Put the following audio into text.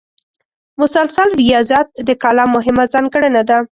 مسلسل ریاضت د کالم مهمه ځانګړنه ده.